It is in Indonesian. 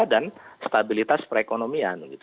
dan stabilitas perekonomian